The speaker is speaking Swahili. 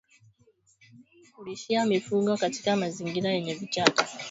Kulishia mifugo katika mazingira yenye vichaka